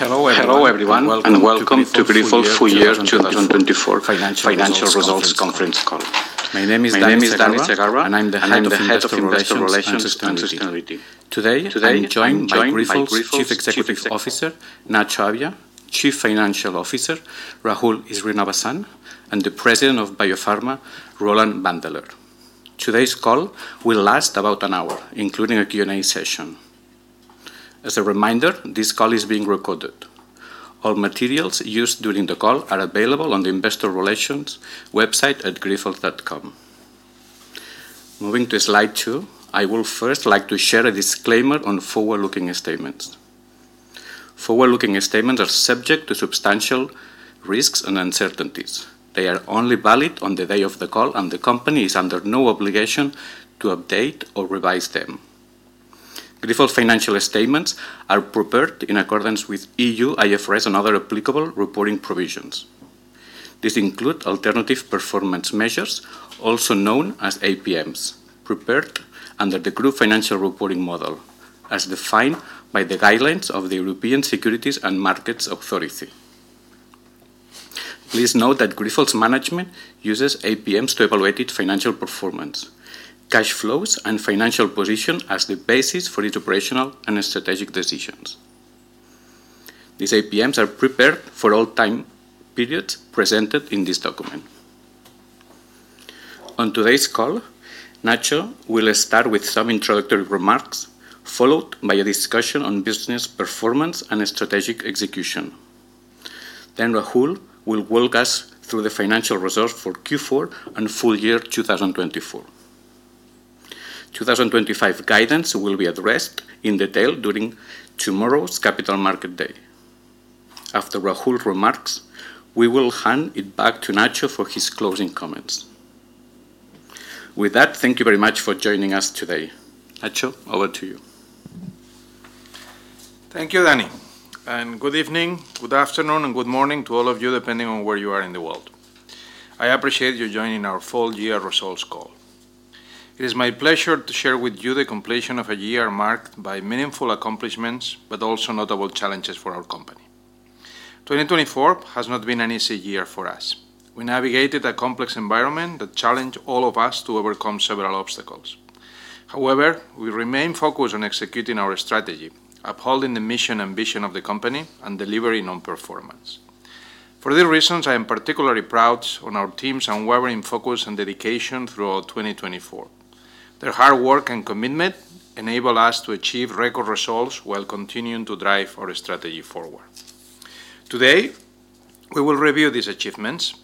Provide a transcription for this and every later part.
Hello, everyone, and welcome to Grifols Full Year 2024 Financial Results Conference Call. My name is Danny Segarra, and I'm the Head of Investor Relations and Sustainability. Today, I'm joined by Chief Executive Officer Nacho Abia, Chief Financial Officer Rahul Srinivasan, and the President of Biopharma, Roland Wandeler. Today's call will last about an hour, including a Q&A session. As a reminder, this call is being recorded. All materials used during the call are available on the Investor Relations website at grifols.com. Moving to slide two, I would first like to share a disclaimer on forward-looking statements. Forward-looking statements are subject to substantial risks and uncertainties. They are only valid on the day of the call, and the company is under no obligation to update or revise them. Grifols' financial statements are prepared in accordance with E.U., IFRS, and other applicable reporting provisions. These include alternative performance measures, also known as APMs, prepared under the group financial reporting model as defined by the guidelines of the European Securities and Markets Authority. Please note that Grifols Management uses APMs to evaluate its financial performance, cash flows, and financial position as the basis for its operational and strategic decisions. These APMs are prepared for all time periods presented in this document. On today's call, Nacho will start with some introductory remarks, followed by a discussion on business performance and strategic execution. Then Rahul will walk us through the financial results for Q4 and full year 2024. 2025 guidance will be addressed in detail during tomorrow's Capital Markets Day. After Rahul's remarks, we will hand it back to Nacho for his closing comments. With that, thank you very much for joining us today. Nacho, over to you. Thank you, Danny, and good evening, good afternoon, and good morning to all of you, depending on where you are in the world. I appreciate you joining our full year results call. It is my pleasure to share with you the completion of a year marked by meaningful accomplishments, but also notable challenges for our company. 2024 has not been an easy year for us. We navigated a complex environment that challenged all of us to overcome several obstacles. However, we remained focused on executing our strategy, upholding the mission and vision of the company, and delivering on performance. For these reasons, I am particularly proud of our team's unwavering focus and dedication throughout 2024. Their hard work and commitment enable us to achieve record results while continuing to drive our strategy forward. Today, we will review these achievements,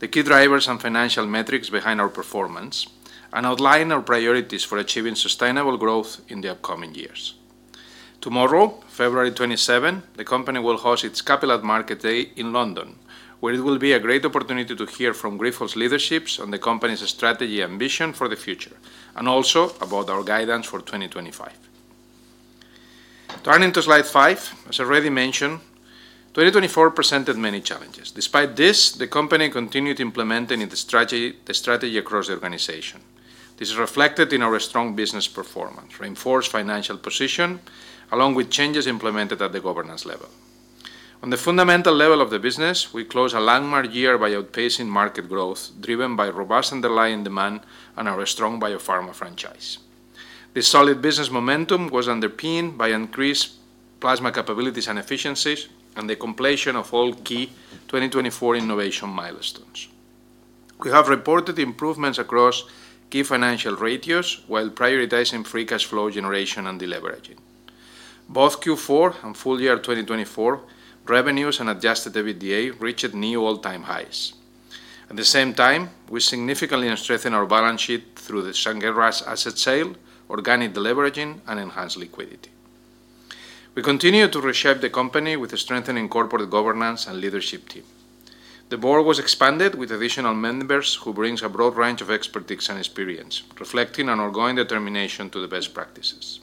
the key drivers and financial metrics behind our performance, and outline our priorities for achieving sustainable growth in the upcoming years. Tomorrow, February 27, the company will host its Capital Market Day in London, where it will be a great opportunity to hear from Grifols' leadership on the company's strategy and vision for the future, and also about our guidance for 2025. Turning to slide five, as already mentioned, 2024 presented many challenges. Despite this, the company continued implementing its strategy across the organization. This is reflected in our strong business performance, reinforced financial position, along with changes implemented at the governance level. On the fundamental level of the business, we closed a landmark year by outpacing market growth driven by robust underlying demand and our strong biopharma franchise. This solid business momentum was underpinned by increased plasma capabilities and efficiencies, and the completion of all key 2024 innovation milestones. We have reported improvements across key financial ratios while prioritizing free cash flow generation and deleveraging. Both Q4 and full year 2024 revenues and adjusted EBITDA reached new all-time highs. At the same time, we significantly strengthened our balance sheet through the Sangeras asset sale, organic deleveraging, and enhanced liquidity. We continue to reshape the company with a strengthened corporate governance and leadership team. The board was expanded with additional members who bring a broad range of expertise and experience, reflecting our ongoing determination to the best practices.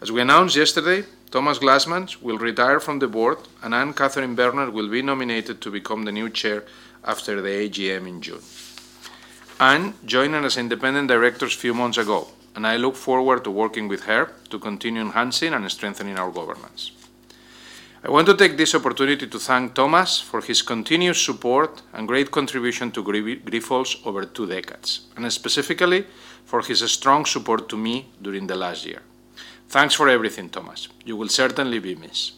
As we announced yesterday, Thomas Glanzmann will retire from the board, and Anne-Catherine Berner will be nominated to become the new chair after the AGM in June. Anne joined us as an independent director a few months ago, and I look forward to working with her to continue enhancing and strengthening our governance. I want to take this opportunity to thank Thomas for his continuous support and great contribution to Grifols over two decades, and specifically for his strong support to me during the last year. Thanks for everything, Thomas. You will certainly be missed.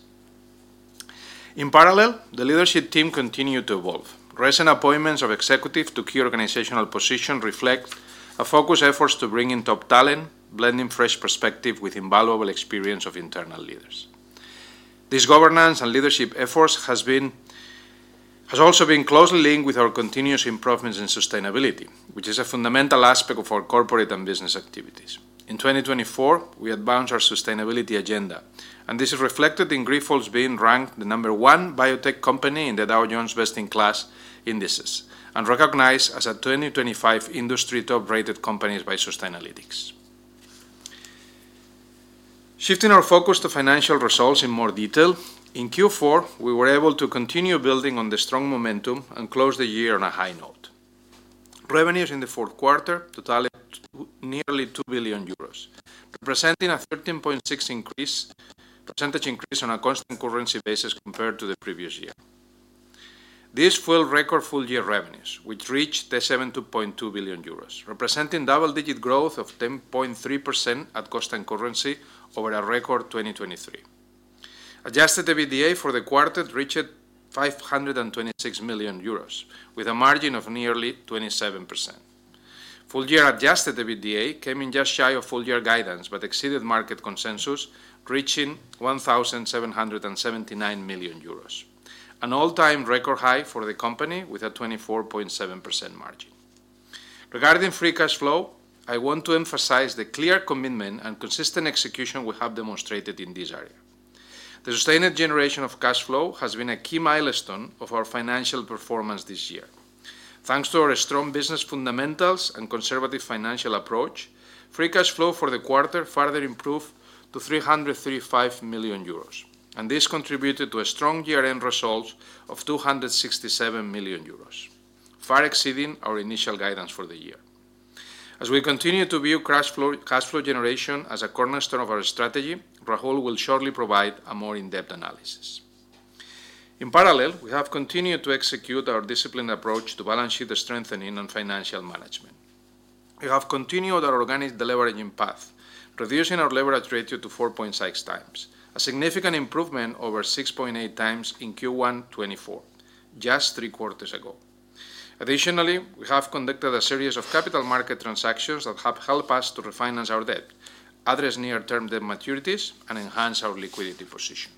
In parallel, the leadership team continued to evolve. Recent appointments of executives to key organizational positions reflect a focused effort to bring in top talent, blending fresh perspectives with invaluable experience of internal leaders. This governance and leadership effort has also been closely linked with our continuous improvements in sustainability, which is a fundamental aspect of our corporate and business activities. In 2024, we advanced our sustainability agenda, and this is reflected in Grifols being ranked the number one biotech company in the Dow Jones Best-in-Class indices, and recognized as a 2025 industry top-rated company by Sustainalytics. Shifting our focus to financial results in more detail, in Q4, we were able to continue building on the strong momentum and close the year on a high note. Revenues in the fourth quarter totaled nearly 2 billion euros, representing a 13.6% percentage increase on a cost and currency basis compared to the previous year. This fueled record full year revenues, which reached 72.2 billion euros, representing double-digit growth of 10.3% at cost and currency over a record 2023. Adjusted EBITDA for the quarter reached 526 million euros, with a margin of nearly 27%. Full year adjusted EBITDA came in just shy of full year guidance but exceeded market consensus, reaching 1,779 million euros, an all-time record high for the company with a 24.7% margin. Regarding free cash flow, I want to emphasize the clear commitment and consistent execution we have demonstrated in this area. The sustained generation of cash flow has been a key milestone of our financial performance this year. Thanks to our strong business fundamentals and conservative financial approach, free cash flow for the quarter further improved to 335 million euros, and this contributed to a strong year-end result of 267 million euros, far exceeding our initial guidance for the year. As we continue to view cash flow generation as a cornerstone of our strategy, Rahul will shortly provide a more in-depth analysis. In parallel, we have continued to execute our disciplined approach to balance sheet strengthening and financial management. We have continued our organic deleveraging path, reducing our leverage ratio to 4.6 times, a significant improvement over 6.8 times in Q1 2024, just three quarters ago. Additionally, we have conducted a series of capital market transactions that have helped us to refinance our debt, address near-term debt maturities, and enhance our liquidity position.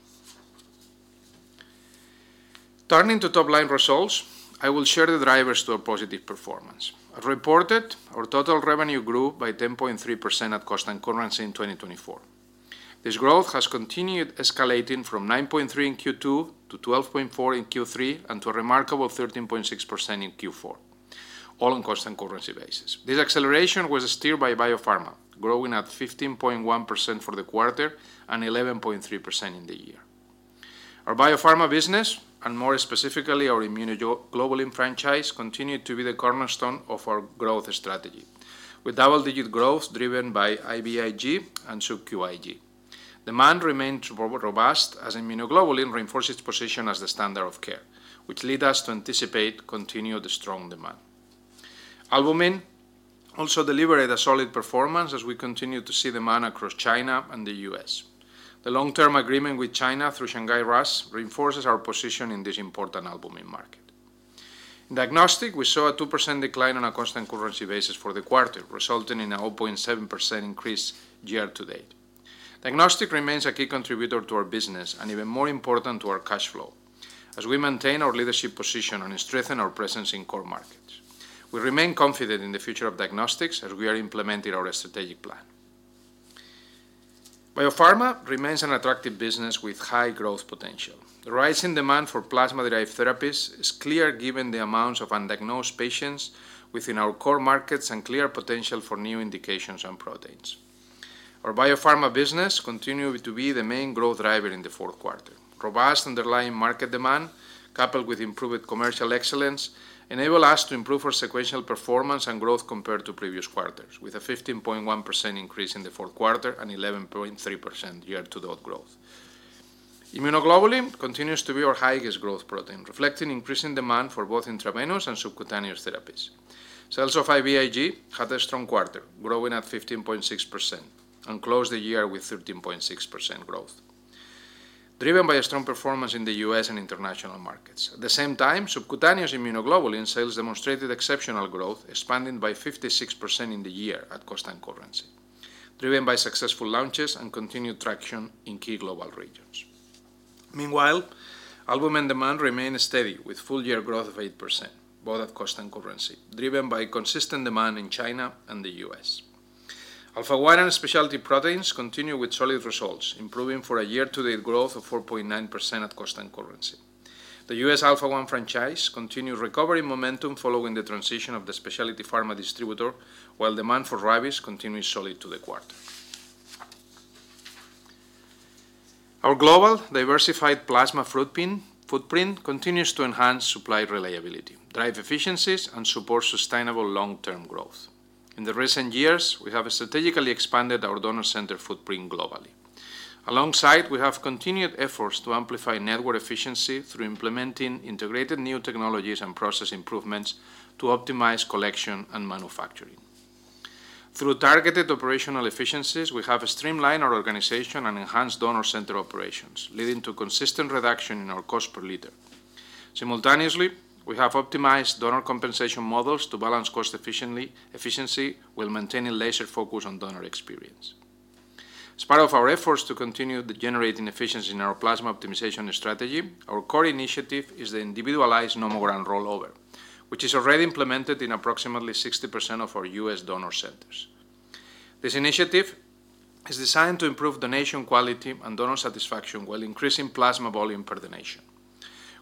Turning to top-line results, I will share the drivers to our positive performance. As reported, our total revenue grew by 10.3% at cost and currency in 2024. This growth has continued escalating from 9.3% in Q2 to 12.4% in Q3 and to a remarkable 13.6% in Q4, all on cost and currency basis. This acceleration was steered by Biopharma, growing at 15.1% for the quarter and 11.3% in the year. Our Biopharma business, and more specifically our immunoglobulin franchise, continued to be the cornerstone of our growth strategy, with double-digit growth driven by IVIG and SubQIg. Demand remained robust as immunoglobulin reinforced its position as the standard of care, which led us to anticipate continued strong demand. Albumin also delivered a solid performance as we continued to see demand across China and the U.S. The long-term agreement with China through Shanghai RAAS reinforces our position in this important albumin market. In diagnostic, we saw a 2% decline on a constant currency basis for the quarter, resulting in a 0.7% increase year-to-date. Diagnostic remains a key contributor to our business and even more important to our cash flow as we maintain our leadership position and strengthen our presence in core markets. We remain confident in the future of diagnostics as we are implementing our strategic plan. Biopharma remains an attractive business with high growth potential. The rising demand for plasma-derived therapies is clear given the amounts of undiagnosed patients within our core markets and clear potential for new indications and proteins. Our biopharma business continued to be the main growth driver in the fourth quarter. Robust underlying market demand, coupled with improved commercial excellence, enabled us to improve our sequential performance and growth compared to previous quarters, with a 15.1% increase in the fourth quarter and 11.3% year-to-date growth. Immunoglobulin continues to be our highest growth protein, reflecting increasing demand for both intravenous and subcutaneous therapies. Sales of IVIG had a strong quarter, growing at 15.6% and closed the year with 13.6% growth, driven by strong performance in the U.S. and international markets. At the same time, subcutaneous immunoglobulin sales demonstrated exceptional growth, expanding by 56% in the year at cost and currency, driven by successful launches and continued traction in key global regions. Meanwhile, albumin demand remained steady, with full year growth of 8%, both at cost and currency, driven by consistent demand in China and the U.S. Alpha-1 and specialty proteins continued with solid results, improving for a year-to-date growth of 4.9% at cost and currency. The U.S. Alpha-1 franchise continued recovering momentum following the transition of the specialty pharma distributor, while demand for rabies continued solid through the quarter. Our global diversified plasma footprint continues to enhance supply reliability, drive efficiencies, and support sustainable long-term growth. In the recent years, we have strategically expanded our donor center footprint globally. Alongside, we have continued efforts to amplify network efficiency through implementing integrated new technologies and process improvements to optimize collection and manufacturing. Through targeted operational efficiencies, we have streamlined our organization and enhanced donor center operations, leading to consistent reduction in our cost per liter. Simultaneously, we have optimized donor compensation models to balance cost efficiency while maintaining laser focus on donor experience. As part of our efforts to continue generating efficiency in our plasma optimization strategy, our core initiative is the Individualized Nomogram rollover, which is already implemented in approximately 60% of our U.S. donor centers. This initiative is designed to improve donation quality and donor satisfaction while increasing plasma volume per donation.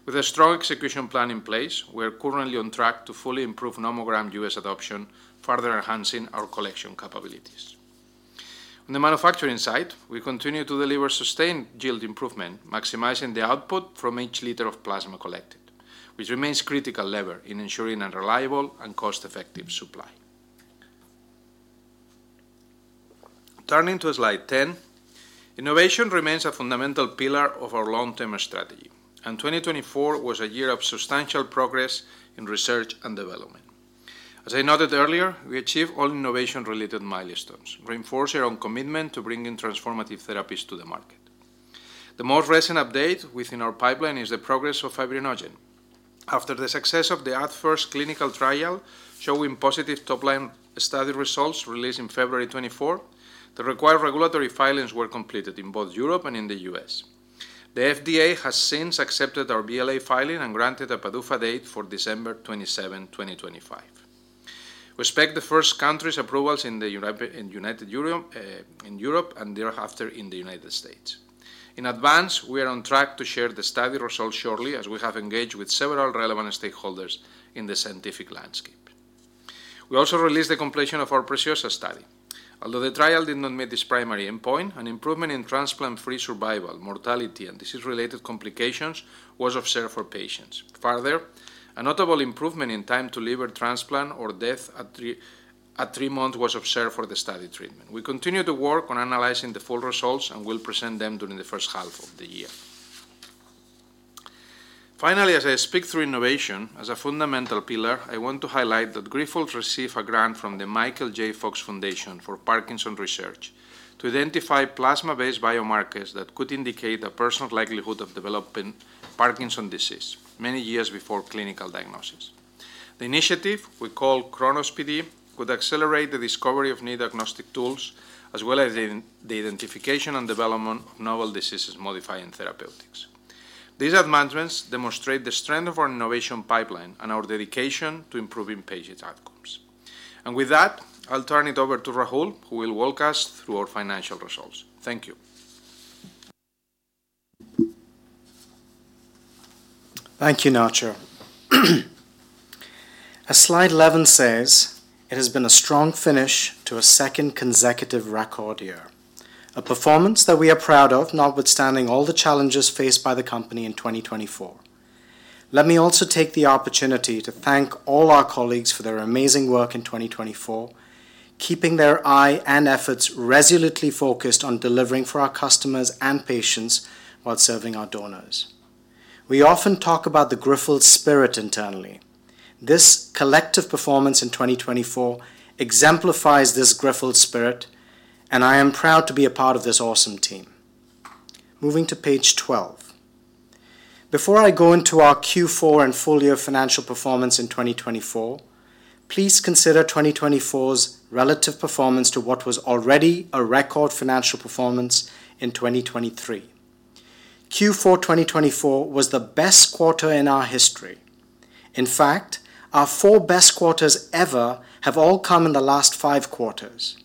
With a strong execution plan in place, we are currently on track to fully improve Nomogram U.S. adoption, further enhancing our collection capabilities. On the manufacturing side, we continue to deliver sustained yield improvement, maximizing the output from each liter of plasma collected, which remains a critical lever in ensuring a reliable and cost-effective supply. Turning to slide 10, innovation remains a fundamental pillar of our long-term strategy, and 2024 was a year of substantial progress in research and development. As I noted earlier, we achieved all innovation-related milestones, reinforcing our commitment to bringing transformative therapies to the market. The most recent update within our pipeline is the progress of fibrinogen. After the success of the AdFirst clinical trial showing positive top-line study results released in February 2024, the required regulatory filings were completed in both Europe and in the U.S. The FDA has since accepted our BLA filing and granted a PDUFA date for December 27, 2025. We expect the first countries' approvals in the United Kingdom and Europe, and thereafter in the United States. In advance, we are on track to share the study results shortly as we have engaged with several relevant stakeholders in the scientific landscape. We also released the completion of our PRECIOSA study. Although the trial did not meet its primary endpoint, an improvement in transplant-free survival, mortality, and disease-related complications was observed for patients. Further, a notable improvement in time-to-liver transplant or death at three months was observed for the study treatment. We continue to work on analyzing the full results and will present them during the first half of the year. Finally, as I speak through innovation, as a fundamental pillar, I want to highlight that Grifols received a grant from the Michael J. Fox Foundation for Parkinson's Research to identify plasma-based biomarkers that could indicate a personal likelihood of developing Parkinson's disease many years before clinical diagnosis. The initiative, we call Chronos-PD, could accelerate the discovery of new diagnostic tools as well as the identification and development of novel disease-modifying therapeutics. These advancements demonstrate the strength of our innovation pipeline and our dedication to improving patient outcomes. With that, I'll turn it over to Rahul, who will walk us through our financial results. Thank you. Thank you, Nacho. As slide 11 says, it has been a strong finish to a second consecutive record year, a performance that we are proud of, notwithstanding all the challenges faced by the company in 2024. Let me also take the opportunity to thank all our colleagues for their amazing work in 2024, keeping their eye and efforts resolutely focused on delivering for our customers and patients while serving our donors. We often talk about the Grifols spirit internally. This collective performance in 2024 exemplifies this Grifols spirit, and I am proud to be a part of this awesome team. Moving to page 12. Before I go into our Q4 and full year financial performance in 2024, please consider 2024's relative performance to what was already a record financial performance in 2023. Q4 2024 was the best quarter in our history. In fact, our four best quarters ever have all come in the last five quarters,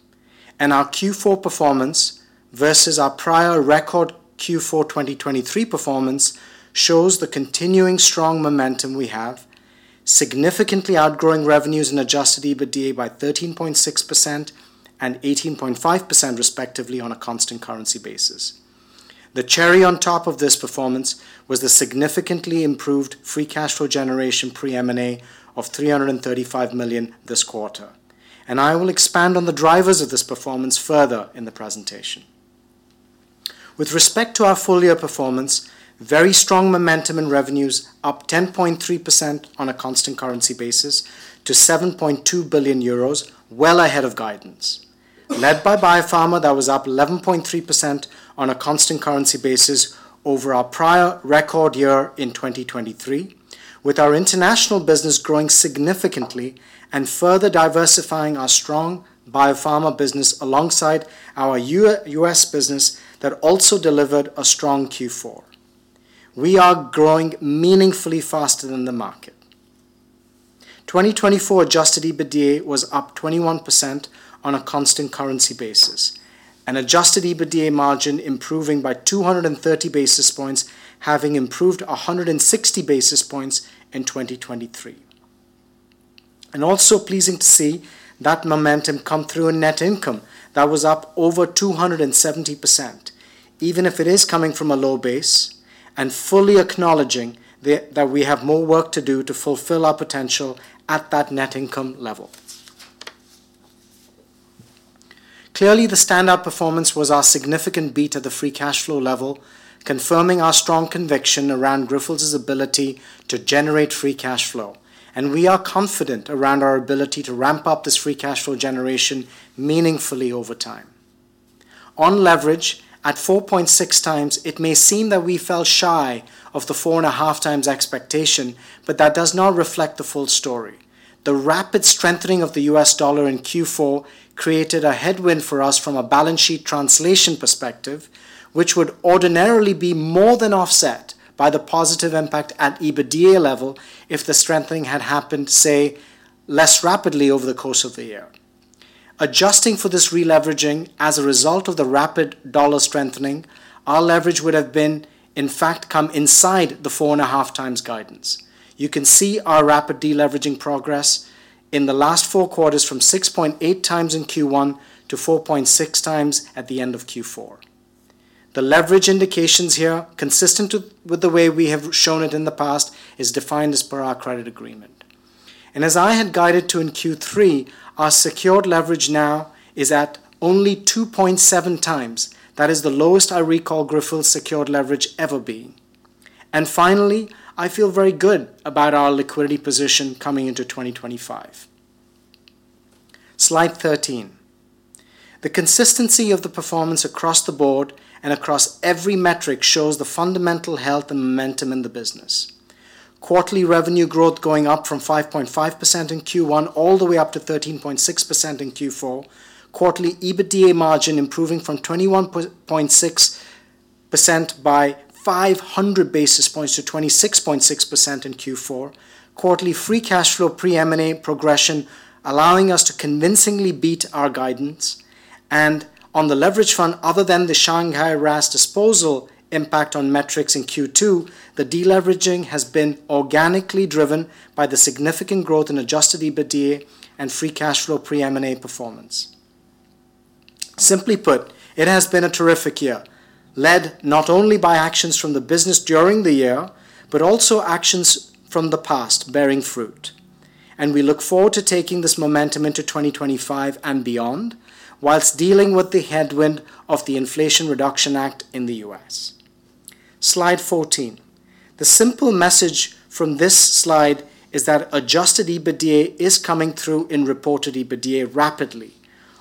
and our Q4 performance versus our prior record Q4 2023 performance shows the continuing strong momentum we have, significantly outgrowing revenues in Adjusted EBITDA by 13.6% and 18.5%, respectively, on a cost and currency basis. The cherry on top of this performance was the significantly improved free cash flow generation pre-M&A of 335 million this quarter, and I will expand on the drivers of this performance further in the presentation. With respect to our full year performance, very strong momentum in revenues, up 10.3% on a constant currency basis to 7.2 billion euros, well ahead of guidance, led by Biopharma that was up 11.3% on a constant currency basis over our prior record year in 2023, with our international business growing significantly and further diversifying our strong Biopharma business alongside our U.S. business that also delivered a strong Q4. We are growing meaningfully faster than the market. 2024 Adjusted EBITDA was up 21% on a constant currency basis, an Adjusted EBITDA margin improving by 230 basis points, having improved 160 basis points in 2023. And also pleasing to see that momentum come through in net income that was up over 270%, even if it is coming from a low base, and fully acknowledging that we have more work to do to fulfill our potential at that net income level. Clearly, the standout performance was our significant beat at the Free Cash Flow level, confirming our strong conviction around Grifols' ability to generate Free Cash Flow, and we are confident around our ability to ramp up this Free Cash Flow generation meaningfully over time. On leverage, at 4.6 times, it may seem that we fell shy of the 4.5 times expectation, but that does not reflect the full story. The rapid strengthening of the U.S. dollar in Q4 created a headwind for us from a balance sheet translation perspective, which would ordinarily be more than offset by the positive impact at EBITDA level if the strengthening had happened, say, less rapidly over the course of the year. Adjusting for this re-leveraging as a result of the rapid dollar strengthening, our leverage would have been, in fact, come inside the 4.5 times guidance. You can see our rapid deleveraging progress in the last four quarters from 6.8 times in Q1 to 4.6 times at the end of Q4. The leverage indications here, consistent with the way we have shown it in the past, are defined as per our credit agreement. As I had guided to in Q3, our secured leverage now is at only 2.7 times. That is the lowest I recall Grifols' secured leverage ever being. And finally, I feel very good about our liquidity position coming into 2025. Slide 13. The consistency of the performance across the board and across every metric shows the fundamental health and momentum in the business. Quarterly revenue growth going up from 5.5% in Q1 all the way up to 13.6% in Q4, quarterly EBITDA margin improving from 21.6% by 500 basis points to 26.6% in Q4, quarterly free cash flow pre-M&A progression allowing us to convincingly beat our guidance. And on the leverage front, other than the Shanghai RAAS disposal impact on metrics in Q2, the deleveraging has been organically driven by the significant growth in adjusted EBITDA and free cash flow pre-M&A performance. Simply put, it has been a terrific year, led not only by actions from the business during the year, but also actions from the past bearing fruit. We look forward to taking this momentum into 2025 and beyond while dealing with the headwind of the Inflation Reduction Act in the U.S. Slide 14. The simple message from this slide is that adjusted EBITDA is coming through in reported EBITDA rapidly,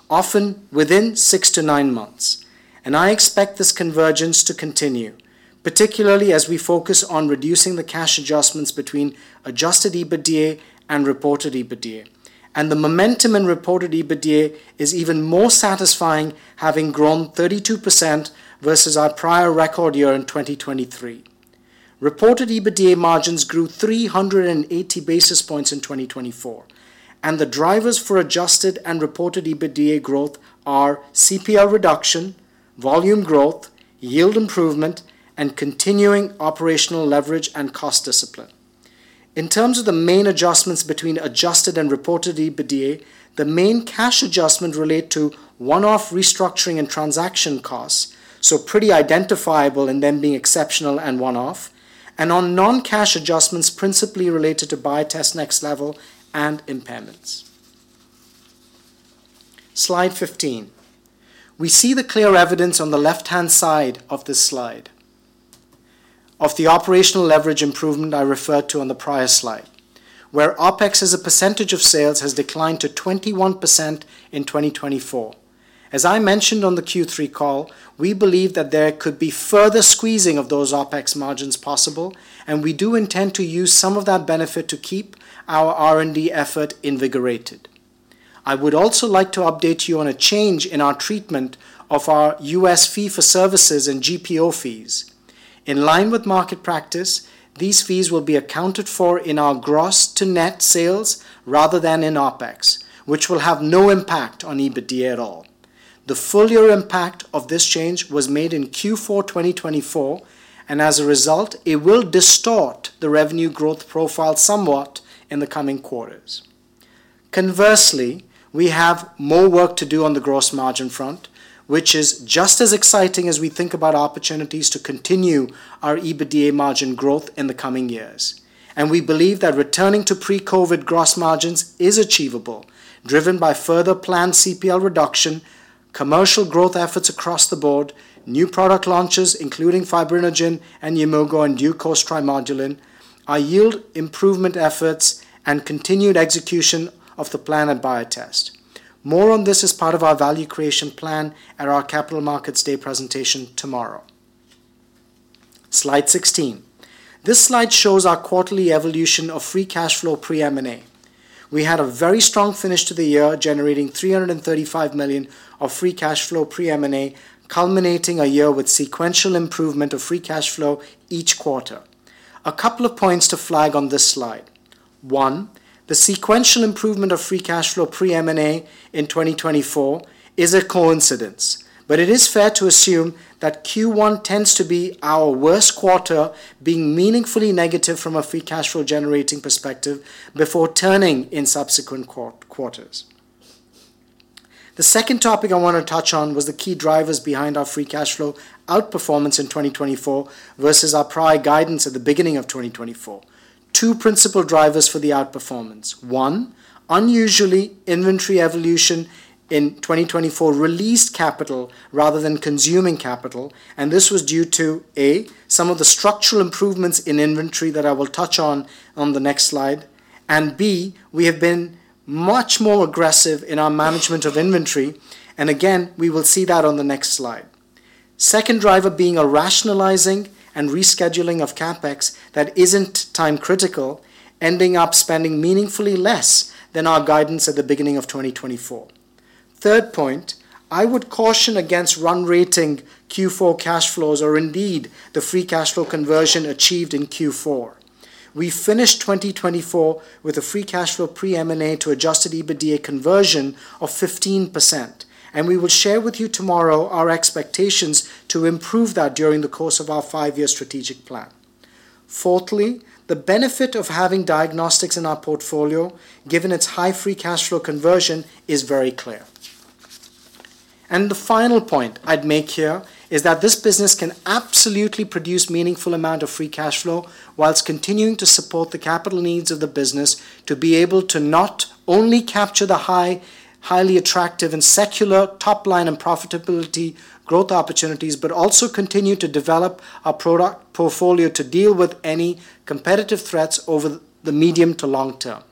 often within six to nine months. I expect this convergence to continue, particularly as we focus on reducing the cash adjustments between adjusted EBITDA and reported EBITDA. The momentum in reported EBITDA is even more satisfying, having grown 32% versus our prior record year in 2023. Reported EBITDA margins grew 380 basis points in 2024. The drivers for adjusted and reported EBITDA growth are CPL reduction, volume growth, yield improvement, and continuing operational leverage and cost discipline. In terms of the main adjustments between adjusted and reported EBITDA, the main cash adjustment relates to one-off restructuring and transaction costs, so pretty identifiable in them being exceptional and one-off, and on non-cash adjustments principally related to Biotest next level and impairments. Slide 15. We see the clear evidence on the left-hand side of this slide of the operational leverage improvement I referred to on the prior slide, where OpEx as a percentage of sales has declined to 21% in 2024. As I mentioned on the Q3 call, we believe that there could be further squeezing of those OpEx margins possible, and we do intend to use some of that benefit to keep our R&D effort invigorated. I would also like to update you on a change in our treatment of our U.S. fee-for-service and GPO fees. In line with market practice, these fees will be accounted for in our gross to net sales rather than in OpEx, which will have no impact on EBITDA at all. The full year impact of this change was made in Q4 2024, and as a result, it will distort the revenue growth profile somewhat in the coming quarters. Conversely, we have more work to do on the gross margin front, which is just as exciting as we think about opportunities to continue our EBITDA margin growth in the coming years. We believe that returning to pre-COVID gross margins is achievable, driven by further planned CPL reduction, commercial growth efforts across the board, new product launches, including Fibrinogen and Yimmugo, and, of course, Trimodulin, our yield improvement efforts, and continued execution of the plan and Biotest. More on this as part of our value creation plan at our Capital Markets Day presentation tomorrow. Slide 16. This slide shows our quarterly evolution of free cash flow pre-M&A. We had a very strong finish to the year, generating 335 million of free cash flow pre-M&A, culminating a year with sequential improvement of free cash flow each quarter. A couple of points to flag on this slide. One, the sequential improvement of free cash flow pre-M&A in 2024 is a coincidence, but it is fair to assume that Q1 tends to be our worst quarter, being meaningfully negative from a free cash flow generating perspective before turning in subsequent quarters. The second topic I want to touch on was the key drivers behind our free cash flow outperformance in 2024 versus our prior guidance at the beginning of 2024. Two principal drivers for the outperformance. One, unusually inventory evolution in 2024 released capital rather than consuming capital, and this was due to A, some of the structural improvements in inventory that I will touch on on the next slide, and B, we have been much more aggressive in our management of inventory, and again, we will see that on the next slide. Second driver being a rationalizing and rescheduling of CapEx that isn't time-critical, ending up spending meaningfully less than our guidance at the beginning of 2024. Third point, I would caution against run rating Q4 cash flows or indeed the Free Cash Flow conversion achieved in Q4. We finished 2024 with a Free Cash Flow pre-M&A to Adjusted EBITDA conversion of 15%, and we will share with you tomorrow our expectations to improve that during the course of our five-year strategic plan. Fourthly, the benefit of having diagnostics in our portfolio, given its high free cash flow conversion, is very clear. And the final point I'd make here is that this business can absolutely produce a meaningful amount of Free Cash Flow while continuing to support the capital needs of the business to be able to not only capture the highly attractive and secular top line and profitability growth opportunities, but also continue to develop our product portfolio to deal with any competitive threats over the medium to long term.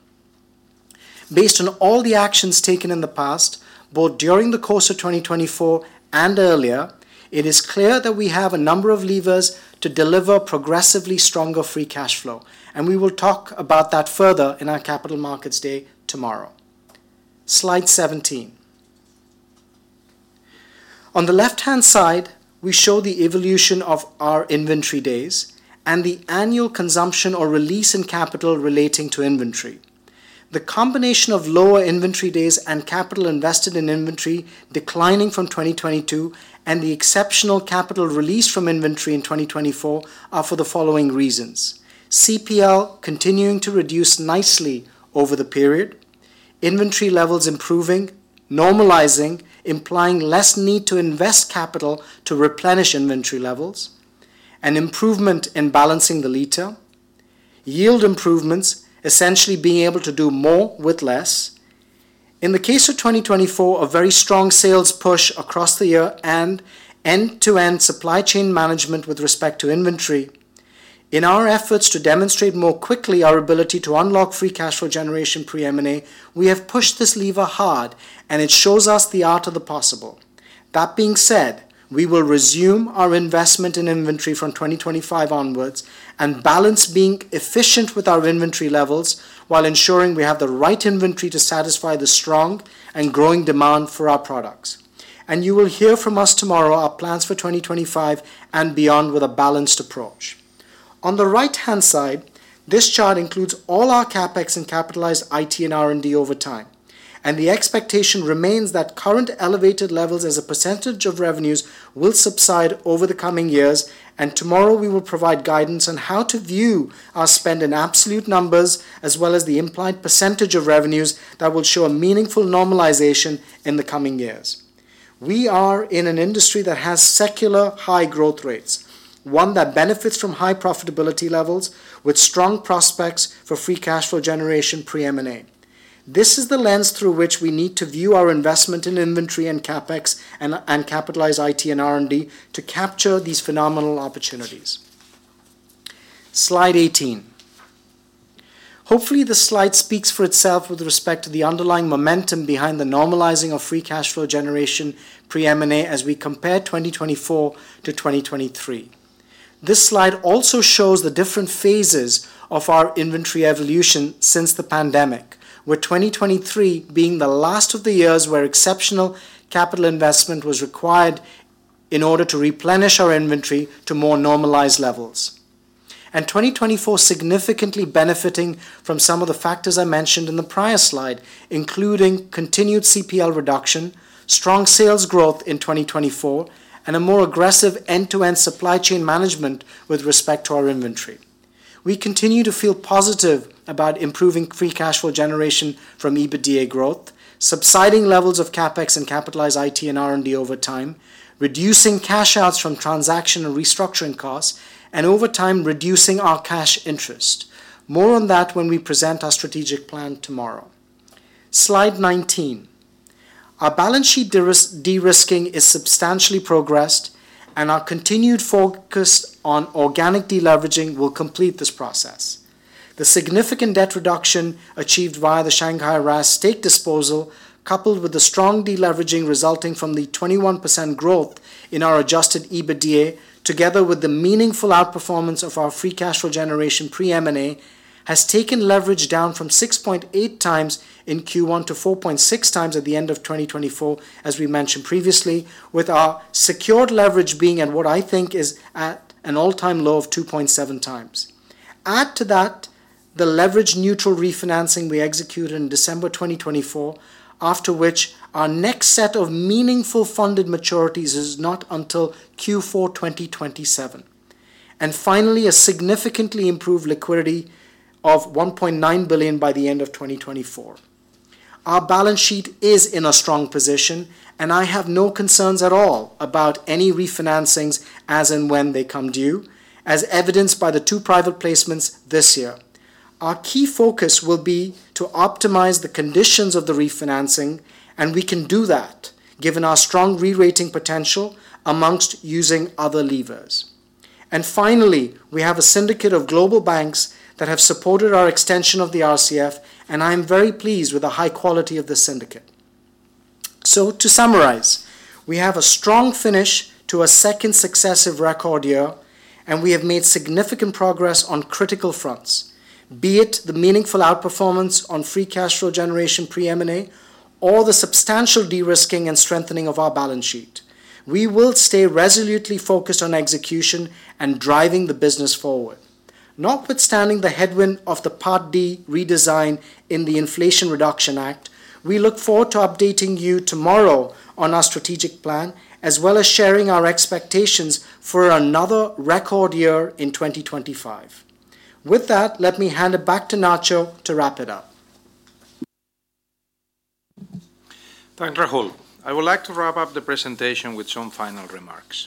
Based on all the actions taken in the past, both during the course of 2024 and earlier, it is clear that we have a number of levers to deliver progressively stronger Free Cash Flow, and we will talk about that further in our Capital Markets Day tomorrow. Slide 17. On the left-hand side, we show the evolution of our inventory days and the annual consumption or release in capital relating to inventory. The combination of lower inventory days and capital invested in inventory declining from 2022 and the exceptional capital released from inventory in 2024 are for the following reasons: CPL continuing to reduce nicely over the period, inventory levels improving, normalizing, implying less need to invest capital to replenish inventory levels, an improvement in balancing the liter, yield improvements, essentially being able to do more with less. In the case of 2024, a very strong sales push across the year and end-to-end supply chain management with respect to inventory. In our efforts to demonstrate more quickly our ability to unlock Free Cash Flow generation pre-M&A, we have pushed this lever hard, and it shows us the art of the possible. That being said, we will resume our investment in inventory from 2025 onwards and balance being efficient with our inventory levels while ensuring we have the right inventory to satisfy the strong and growing demand for our products, and you will hear from us tomorrow our plans for 2025 and beyond with a balanced approach. On the right-hand side, this chart includes all our CapEx and capitalized IT and R&D over time, and the expectation remains that current elevated levels as a percentage of revenues will subside over the coming years, and tomorrow we will provide guidance on how to view our spend in absolute numbers as well as the implied percentage of revenues that will show a meaningful normalization in the coming years. We are in an industry that has secular high growth rates, one that benefits from high profitability levels with strong prospects for free cash flow generation pre-M&A. This is the lens through which we need to view our investment in inventory and CapEx and capitalized IT and R&D to capture these phenomenal opportunities. Slide 18. Hopefully, the slide speaks for itself with respect to the underlying momentum behind the normalizing of free cash flow generation pre-M&A as we compare 2024 to 2023. This slide also shows the different phases of our inventory evolution since the pandemic, with 2023 being the last of the years where exceptional capital investment was required in order to replenish our inventory to more normalized levels. 2024 significantly benefiting from some of the factors I mentioned in the prior slide, including continued CPL reduction, strong sales growth in 2024, and a more aggressive end-to-end supply chain management with respect to our inventory. We continue to feel positive about improving free cash flow generation from EBITDA growth, subsiding levels of CapEx and capitalized IT and R&D over time, reducing cash outs from transaction and restructuring costs, and over time reducing our cash interest. More on that when we present our strategic plan tomorrow. Slide 19. Our balance sheet de-risking is substantially progressed, and our continued focus on organic deleveraging will complete this process. The significant debt reduction achieved via the Shanghai RAAS stake disposal, coupled with the strong deleveraging resulting from the 21% growth in our Adjusted EBITDA, together with the meaningful outperformance of our free cash flow generation pre-M&A, has taken leverage down from 6.8 times in Q1 to 4.6 times at the end of 2024, as we mentioned previously, with our secured leverage being at what I think is at an all-time low of 2.7 times. Add to that the leverage neutral refinancing we executed in December 2024, after which our next set of meaningful funded maturities is not until Q4 2027, and finally, a significantly improved liquidity of 1.9 billion by the end of 2024. Our balance sheet is in a strong position, and I have no concerns at all about any refinancings as and when they come due, as evidenced by the two private placements this year. Our key focus will be to optimize the conditions of the refinancing, and we can do that given our strong re-rating potential among using other levers. And finally, we have a syndicate of global banks that have supported our extension of the RCF, and I am very pleased with the high quality of this syndicate. So to summarize, we have a strong finish to a second successive record year, and we have made significant progress on critical fronts, be it the meaningful outperformance on free cash flow generation pre-M&A or the substantial de-risking and strengthening of our balance sheet. We will stay resolutely focused on execution and driving the business forward. Not with standing the headwind of the Part D redesign in the Inflation Reduction Act, we look forward to updating you tomorrow on our strategic plan, as well as sharing our expectations for another record year in 2025. With that, let me hand it back to Nacho to wrap it up. Thank you, Rahul. I would like to wrap up the presentation with some final remarks.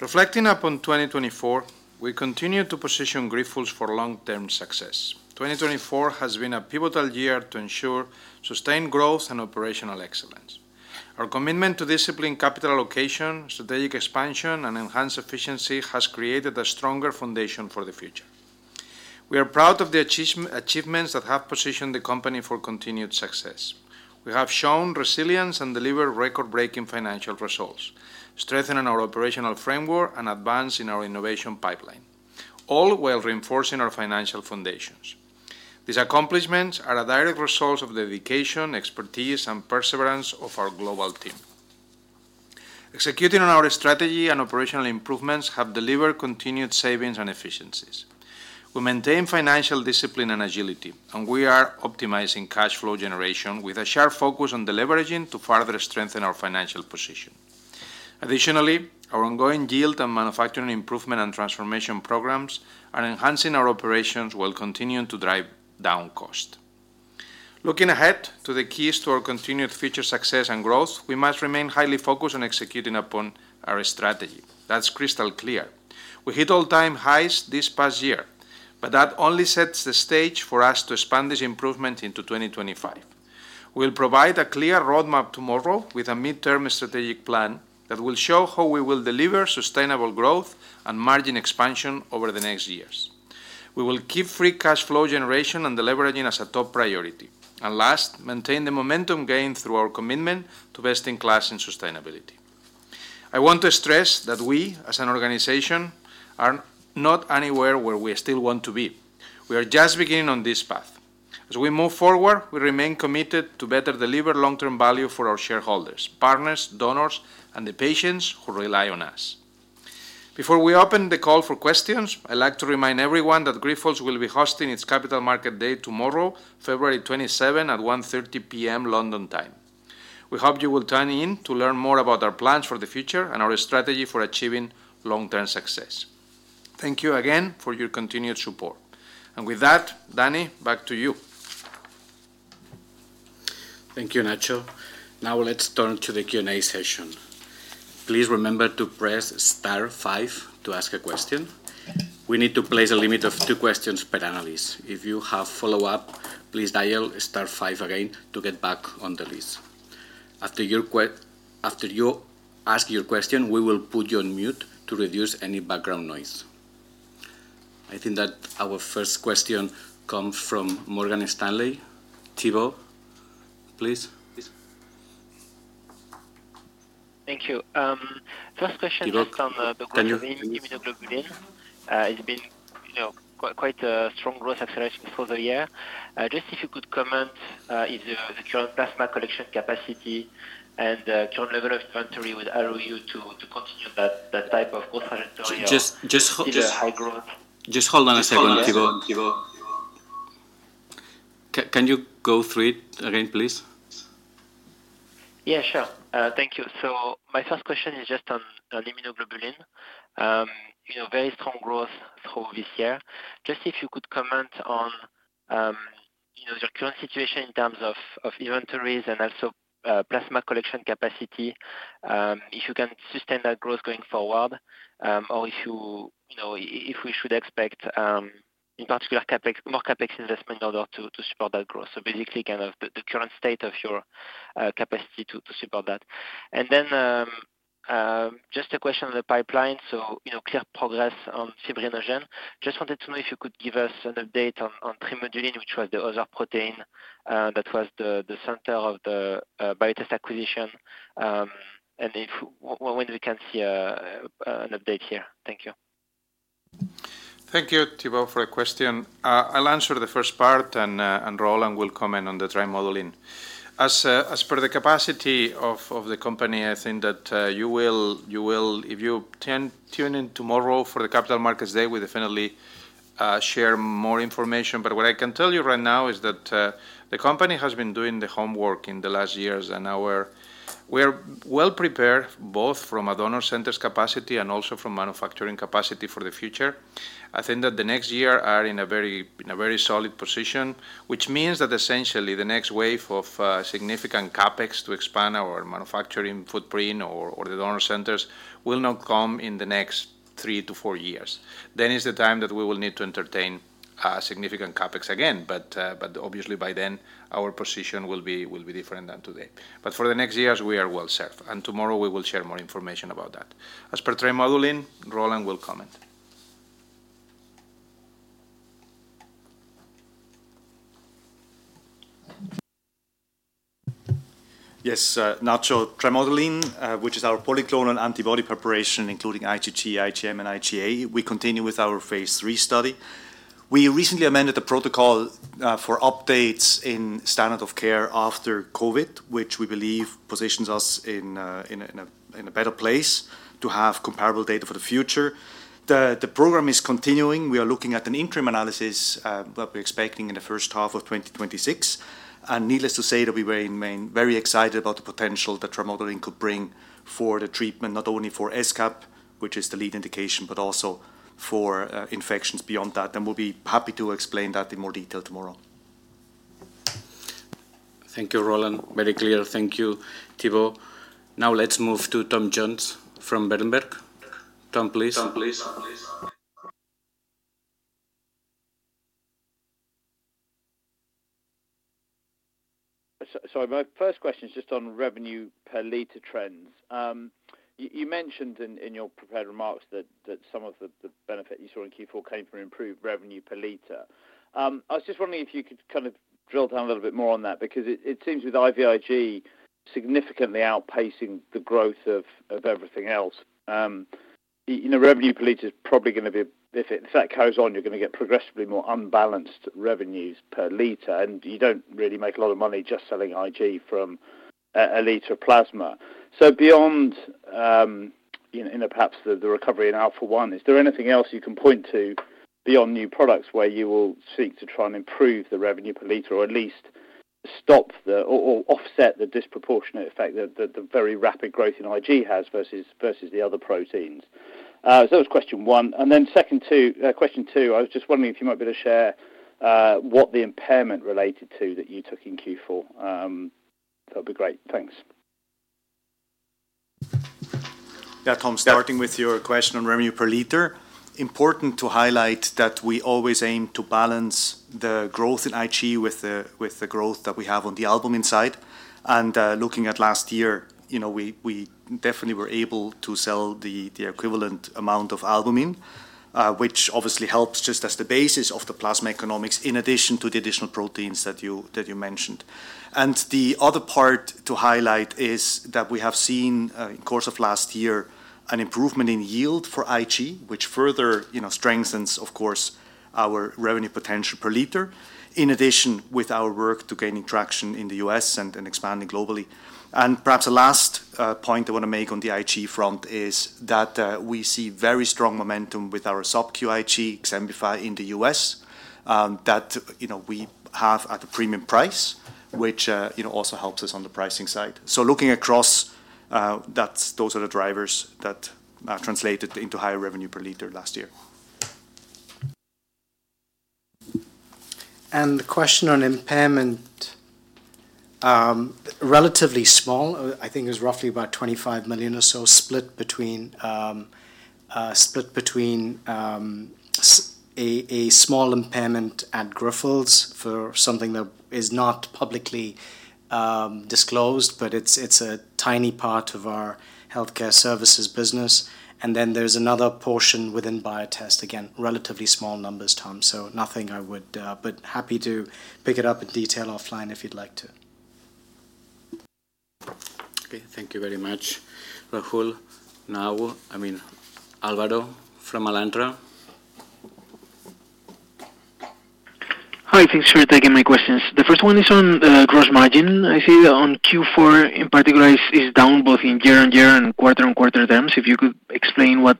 Reflecting upon 2024, we continue to position Grifols for long-term success. 2024 has been a pivotal year to ensure sustained growth and operational excellence. Our commitment to disciplined capital allocation, strategic expansion, and enhanced efficiency has created a stronger foundation for the future. We are proud of the achievements that have positioned the company for continued success. We have shown resilience and delivered record-breaking financial results, strengthening our operational framework and advancing our innovation pipeline, all while reinforcing our financial foundations. These accomplishments are a direct result of the dedication, expertise, and perseverance of our global team. Executing on our strategy and operational improvements have delivered continued savings and efficiencies. We maintain financial discipline and agility, and we are optimizing cash flow generation with a sharp focus on deleveraging to further strengthen our financial position. Additionally, our ongoing yield and manufacturing improvement and transformation programs are enhancing our operations while continuing to drive down cost. Looking ahead to the keys to our continued future success and growth, we must remain highly focused on executing upon our strategy. That's crystal clear. We hit all-time highs this past year, but that only sets the stage for us to expand this improvement into 2025. We'll provide a clear roadmap tomorrow with a midterm strategic plan that will show how we will deliver sustainable growth and margin expansion over the next years. We will keep Free Cash Flow generation and deleveraging as a top priority. And last, maintain the momentum gained through our commitment to best-in-class and sustainability. I want to stress that we, as an organization, are not anywhere where we still want to be. We are just beginning on this path. As we move forward, we remain committed to better deliver long-term value for our shareholders, partners, donors, and the patients who rely on us. Before we open the call for questions, I'd like to remind everyone that Grifols will be hosting its Capital Markets Day tomorrow, February 27, at 1:30 P.M. London time. We hope you will tune in to learn more about our plans for the future and our strategy for achieving long-term success. Thank you again for your continued support. And with that, Danny, back to you. Thank you, Nacho. Now let's turn to the Q&A session. Please remember to press star five to ask a question. We need to place a limit of two questions per analyst. If you have follow-up, please dial star five again to get back on the list. After you ask your question, we will put you on mute to reduce any background noise. I think that our first question comes from Morgan Stanley.Thibault, please. Thank you. First question is from the group Immunoglobulin. It's been quite a strong growth acceleration for the year. Just if you could comment on the current plasma collection capacity and the current level of inventory would allow you to continue that type of growth trajectory? Just hold on a second, Thibault. Can you go through it again, please? Yeah, sure. Thank you. So my first question is just on Immunoglobulin. Very strong growth through this year. Just if you could comment on your current situation in terms of inventories and also plasma collection capacity, if you can sustain that growth going forward, or if we should expect in particular more CapEx investment in order to support that growth. So basically, kind of the current state of your capacity to support that. And then just a question on the pipeline. So clear progress on Fibrinogen. Just wanted to know if you could give us an update on Trimodulin, which was the other protein that was the center of the Biotest acquisition, and when we can see an update here. Thank you. Thank you, Thibault, for the question. I'll answer the first part, and Roland will comment on the Trimodulin. As per the capacity of the company, I think that you will, if you tune in tomorrow for the Capital Markets Day, we definitely share more information. But what I can tell you right now is that the company has been doing the homework in the last years, and we are well prepared both from a donor center's capacity and also from manufacturing capacity for the future. I think that the next year are in a very solid position, which means that essentially the next wave of significant CapEx to expand our manufacturing footprint or the donor centers will not come in the next three to four years. Then is the time that we will need to entertain significant CapEx again, but obviously by then our position will be different than today. But for the next years, we are well served, and tomorrow we will share more information about that. As per Trimodulin, Roland will comment. Yes, Nacho, Trimodulin, which is our polyclonal antibody preparation, including IgG, IgM, and IgA, we continue with our phase three study. We recently amended the protocol for updates in standard of care after COVID, which we believe positions us in a better place to have comparable data for the future. The program is continuing. We are looking at an interim analysis that we're expecting in the first half of 2026. And needless to say that we were very excited about the potential that Trimodulin could bring for the treatment, not only for SCAP, which is the lead indication, but also for infections beyond that. And we'll be happy to explain that in more detail tomorrow. Thank you, Roland. Very clear. Thank you, Thibault. Now let's move to Tom Jones from Berenberg. Tom, please. Tom, please. So my first question is just on revenue per liter trends. You mentioned in your prepared remarks that some of the benefit you saw in Q4 came from improved revenue per liter. I was just wondering if you could kind of drill down a little bit more on that, because it seems with IVIG significantly outpacing the growth of everything else. Revenue per liter is probably going to be a bit, if that carries on, you're going to get progressively more unbalanced revenues per liter, and you don't really make a lot of money just selling Ig from a liter of plasma. So beyond perhaps the recovery in Alpha-1, is there anything else you can point to beyond new products where you will seek to try and improve the revenue per liter or at least stop or offset the disproportionate effect that the very rapid growth in Ig has versus the other proteins? So that was question one. And then question two, I was just wondering if you might be able to share what the impairment related to that you took in Q4. That would be great. Thanks. Yeah, Tom, starting with your question on revenue per liter, important to highlight that we always aim to balance the growth in Ig with the growth that we have on the albumin side. And looking at last year, we definitely were able to sell the equivalent amount of albumin, which obviously helps just as the basis of the plasma economics in addition to the additional proteins that you mentioned. And the other part to highlight is that we have seen in the course of last year an improvement in yield for Ig, which further strengthens, of course, our revenue potential per liter, in addition with our work to gaining traction in the U.S. and expanding globally. Perhaps the last point I want to make on the Ig front is that we see very strong momentum with our SubQIg, Xembify, in the U.S. that we have at a premium price, which also helps us on the pricing side. Looking across, those are the drivers that translated into higher revenue per liter last year. The question on impairment, relatively small, I think it was roughly about 25 million or so, split between a small impairment at Grifols for something that is not publicly disclosed, but it's a tiny part of our healthcare services business. Then there's another portion within Biotest, again, relatively small numbers, Tom, so nothing I would, but happy to pick it up in detail offline if you'd like to. Okay, thank you very much, Rahul. Now, I mean, Álvaro from Alantra. Hi, thanks for taking my questions. The first one is on gross margin. I see that on Q4 in particular is down both in year-on-year and quarter-on-quarter terms. If you could explain what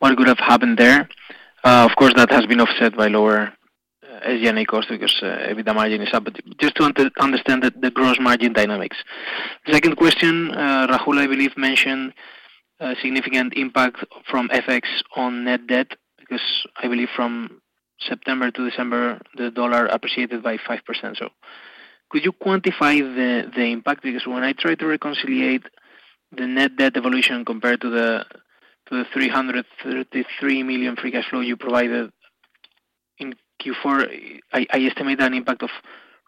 could have happened there? Of course, that has been offset by lower SG&A cost because the margin is up. But just to understand the gross margin dynamics. Second question, Rahul, I believe, mentioned significant impact from FX on net debt because I believe from September to December, the dollar appreciated by 5%. So could you quantify the impact? Because when I tried to reconcile the net debt evolution compared to the 333 million free cash flow you provided in Q4, I estimate an impact of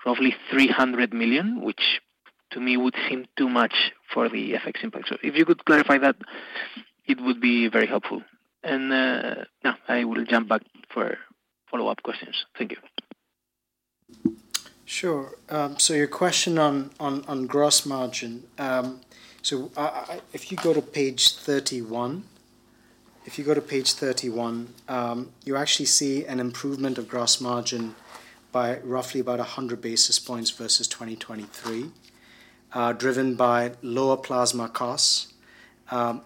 roughly 300 million, which to me would seem too much for the FX impact. So if you could clarify that, it would be very helpful. And now I will jump back for follow-up questions. Thank you. Sure. So your question on gross margin, so if you go to page 31, you actually see an improvement of gross margin by roughly about 100 basis points versus 2023, driven by lower plasma costs.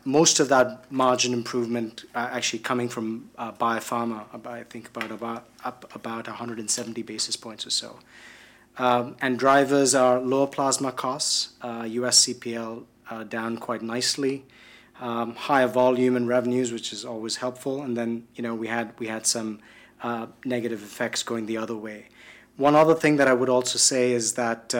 Most of that margin improvement actually coming from biopharma by, I think, about 170 basis points or so. And drivers are lower plasma costs, US CPL down quite nicely, higher volume and revenues, which is always helpful. And then we had some negative effects going the other way. One other thing that I would also say is that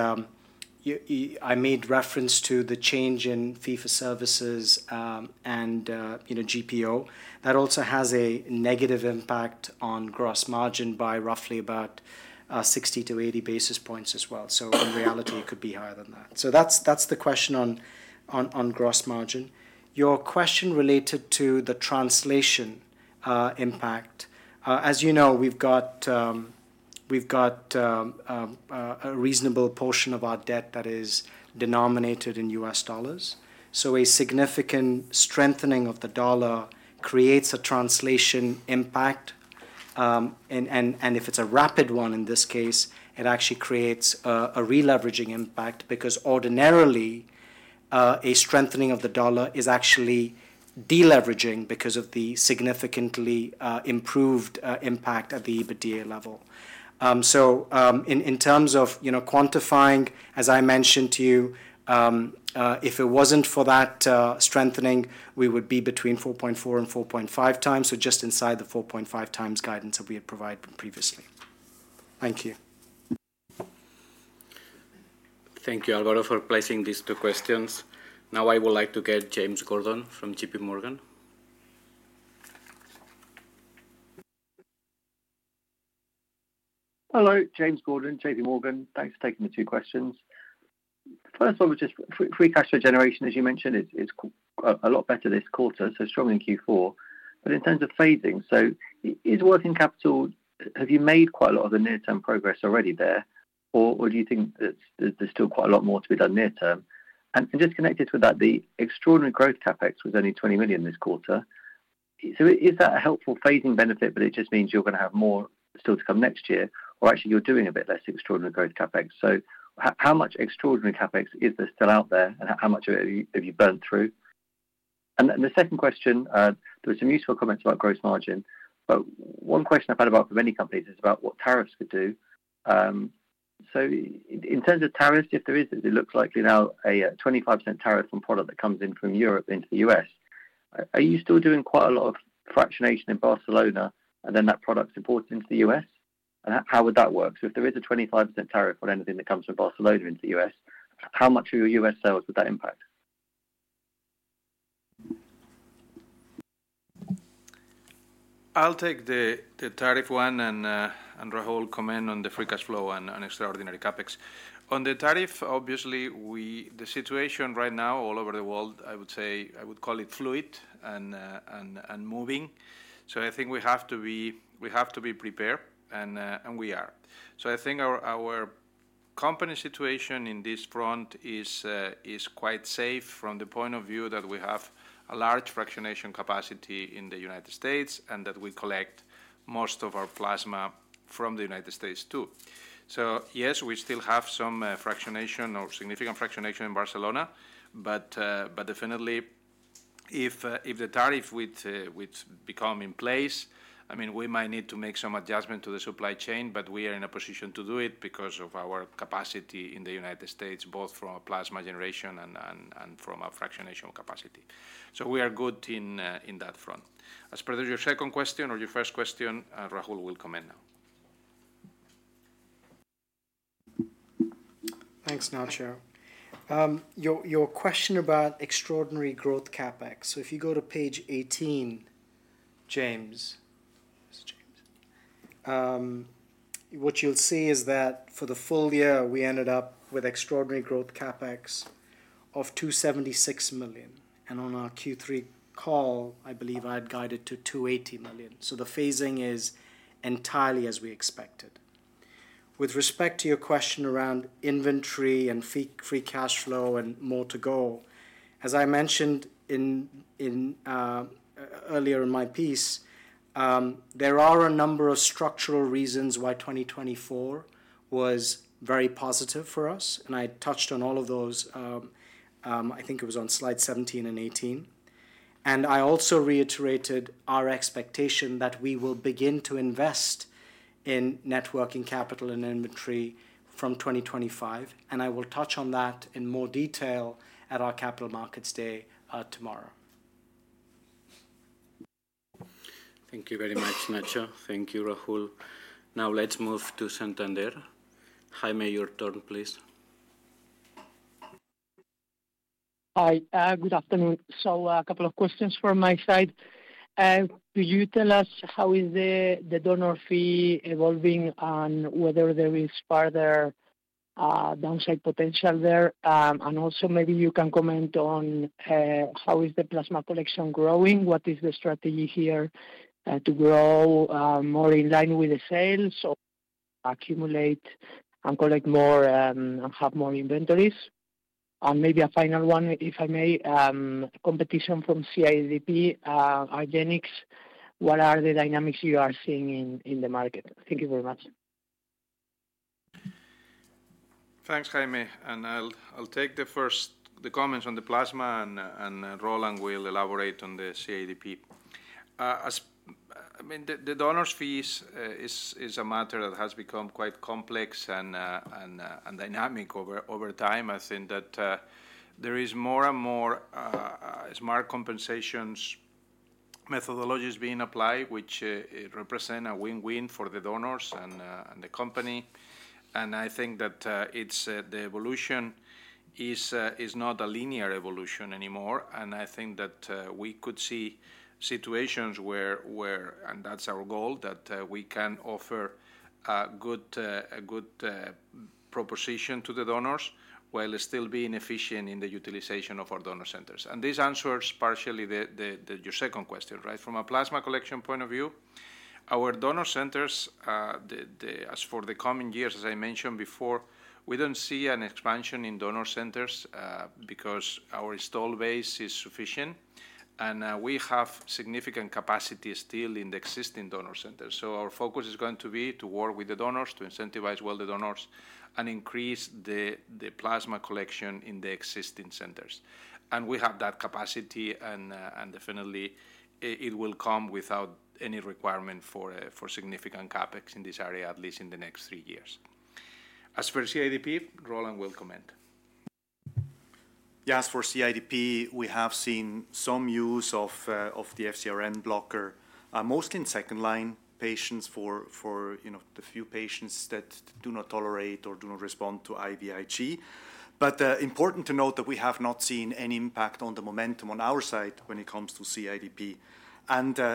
I made reference to the change in fee-for-service and GPO. That also has a negative impact on gross margin by roughly about 60-80 basis points as well. So in reality, it could be higher than that. So that's the question on gross margin. Your question related to the translation impact, as you know, we've got a reasonable portion of our debt that is denominated in U.S. dollars. So a significant strengthening of the dollar creates a translation impact, and if it's a rapid one in this case, it actually creates a re-leveraging impact because ordinarily, a strengthening of the dollar is actually de-leveraging because of the significantly improved impact at the EBITDA level. So in terms of quantifying, as I mentioned to you, if it wasn't for that strengthening, we would be between 4.4 and 4.5 times, so just inside the 4.5 times guidance that we had provided previously. Thank you. Thank you, Álvaro, for placing these two questions. Now I would like to get James Gordon from JP Morgan. Hello, James Gordon, JP Morgan. Thanks for taking the two questions. First one was just free cash flow generation, as you mentioned, is a lot better this quarter, so strong in Q4. But in terms of phasing, so is working capital. Have you made quite a lot of the near-term progress already there, or do you think there's still quite a lot more to be done near-term? And just connected with that, the extraordinary growth CapEx was only 20 million this quarter. So is that a helpful phasing benefit, but it just means you're going to have more still to come next year, or actually you're doing a bit less extraordinary growth CapEx? So how much extraordinary CapEx is there still out there, and how much have you burnt through? And the second question, there were some useful comments about gross margin, but one question I've had about for many companies is about what tariffs could do. So in terms of tariffs, if there is, it looks likely now a 25% tariff on product that comes in from Europe into the U.S. Are you still doing quite a lot of fractionation in Barcelona, and then that product's imported into the U.S.? And how would that work? So if there is a 25% tariff on anything that comes from Barcelona into the U.S., how much of your U.S. sales would that impact? I'll take the tariff one and Rahul comment on the Free Cash Flow and extraordinary CapEx. On the tariff, obviously, the situation right now all over the world, I would say I would call it fluid and moving. So I think we have to be prepared, and we are. I think our company situation in this front is quite safe from the point of view that we have a large fractionation capacity in the United States and that we collect most of our plasma from the United States too. So yes, we still have some fractionation or significant fractionation in Barcelona, but definitely if the tariff would come into place, I mean, we might need to make some adjustment to the supply chain, but we are in a position to do it because of our capacity in the United States, both from a plasma generation and from a fractionation capacity. So we are good in that front. As per your second question or your first question, Rahul will comment now. Thanks, Nacho. Your question about extraordinary growth CapEx, so if you go to page 18, James, what you'll see is that for the full year, we ended up with extraordinary growth CapEx of 276 million, and on our Q3 call, I believe I had guided to 280 million, so the phasing is entirely as we expected. With respect to your question around inventory and Free Cash Flow and more to go, as I mentioned earlier in my piece, there are a number of structural reasons why 2024 was very positive for us, and I touched on all of those, I think it was on slide 17 and 18, and I also reiterated our expectation that we will begin to invest in working capital and inventory from 2025, and I will touch on that in more detail at our capital markets day tomorrow. Thank you very much, Nacho. Thank you, Rahul. Now let's move to Santander. Jaime, your turn, please. Hi, good afternoon. So a couple of questions from my side. Could you tell us how is the donor fee evolving and whether there is further downside potential there? And also maybe you can comment on how is the plasma collection growing? What is the strategy here to grow more in line with the sales or accumulate and collect more and have more inventories? And maybe a final one, if I may, competition from CIDP, generics, what are the dynamics you are seeing in the market? Thank you very much. Thanks, Jaime, and I'll take the comments on the plasma, and Roland will elaborate on the CIDP. I mean, the donor's fees is a matter that has become quite complex and dynamic over time. I think that there is more and more smart compensation methodologies being applied, which represent a win-win for the donors and the company. And I think that the evolution is not a linear evolution anymore. And I think that we could see situations where, and that's our goal, that we can offer a good proposition to the donors while still being efficient in the utilization of our donor centers. And this answers partially your second question, right? From a plasma collection point of view, our donor centers, as for the coming years, as I mentioned before, we don't see an expansion in donor centers because our stall base is sufficient. And we have significant capacity still in the existing donor centers. So our focus is going to be to work with the donors, to incentivize well the donors, and increase the plasma collection in the existing centers. We have that capacity, and definitely it will come without any requirement for significant CapEx in this area, at least in the next three years. As for CIDP, Roland will comment. Yeah, as for CIDP, we have seen some use of the FcRn blocker, mostly in second-line patients for the few patients that do not tolerate or do not respond to IVIG. Important to note that we have not seen any impact on the momentum on our side when it comes to CIDP.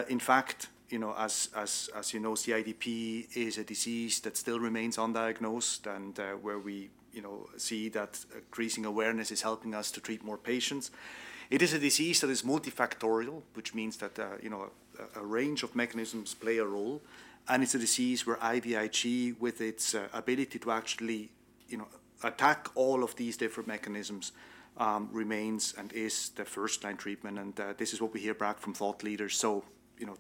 In fact, as you know, CIDP is a disease that still remains undiagnosed and where we see that increasing awareness is helping us to treat more patients. It is a disease that is multifactorial, which means that a range of mechanisms play a role. It's a disease where IVIG, with its ability to actually attack all of these different mechanisms, remains and is the first-line treatment. This is what we hear back from thought leaders. To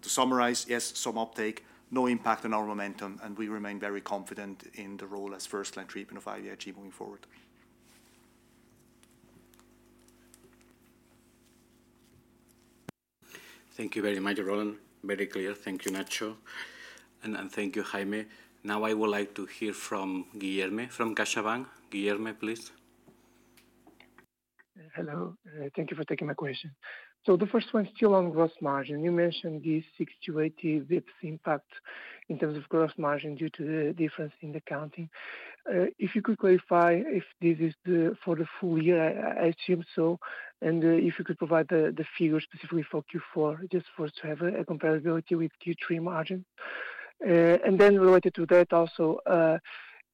summarize, yes, some uptake, no impact on our momentum, and we remain very confident in the role as first-line treatment of IVIG moving forward. Thank you very much, Roland. Very clear. Thank you, Nacho. Thank you, Jaime. Now I would like to hear from Guilherme from CaixaBank. Guilherme, please. Hello. Thank you for taking my question. So the first one is still on gross margin. You mentioned these 60-80 basis points impact in terms of gross margin due to the difference in the counting. If you could clarify if this is for the full year, I assume so. If you could provide the figure specifically for Q4 just for us to have a comparability with Q3 margin. And then related to that also,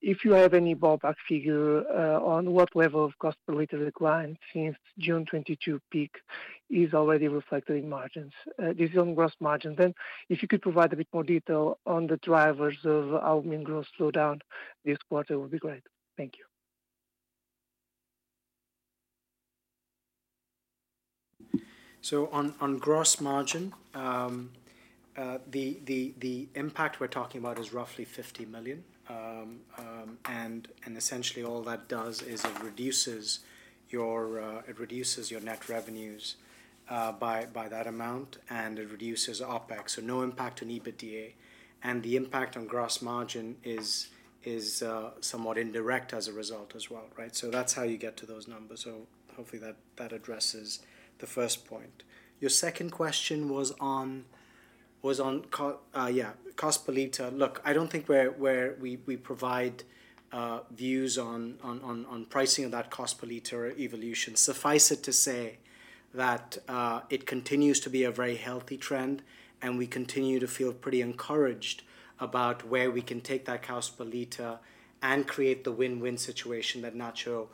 if you have any ballpark figure on what level of cost per liter the decline since June 2022 peak is already reflected in margins, this is on gross margin. Then if you could provide a bit more detail on the drivers of the main gross slowdown this quarter would be great. Thank you. On gross margin, the impact we're talking about is roughly 50 million. And essentially all that does is it reduces your net revenues by that amount, and it reduces OpEx. No impact on EBITDA. And the impact on gross margin is somewhat indirect as a result as well, right? That's how you get to those numbers. Hopefully that addresses the first point. Your second question was on, yeah, cost per liter. Look, I don't think we provide views on pricing of that cost per liter evolution. Suffice it to say that it continues to be a very healthy trend, and we continue to feel pretty encouraged about where we can take that cost per liter and create the win-win situation that Nacho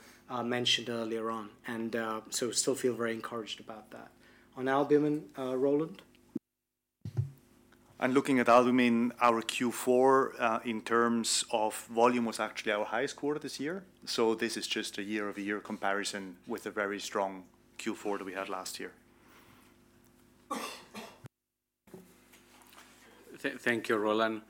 mentioned earlier on. And so still feel very encouraged about that. On albumin, Roland? And looking at albumin, our Q4 in terms of volume was actually our highest quarter this year. So this is just a year-over-year comparison with a very strong Q4 that we had last year. Thank you, Roland.